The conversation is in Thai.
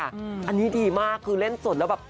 อันนี้ดีมากคือเล่นสดแล้วแบบ